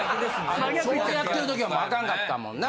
そうやってる時はもうアカンかったもんな。